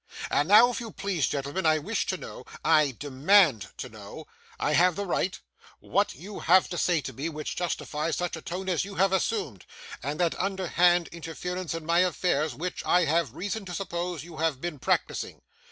And now, if you please, gentlemen, I wish to know I demand to know; I have the right what you have to say to me, which justifies such a tone as you have assumed, and that underhand interference in my affairs which, I have reason to suppose, you have been practising.